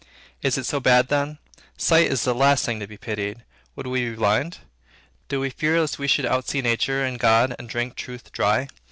Is it so bad then? Sight is the last thing to be pitied. Would we be blind? Do we fear lest we should outsee nature and God, and drink truth dry?